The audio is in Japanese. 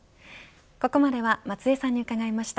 ここまでは松江さんに伺いました。